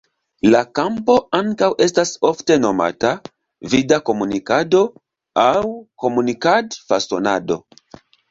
La kampo ankaŭ estas ofte nomata "Vida Komunikado" aŭ "Komunikad-fasonado".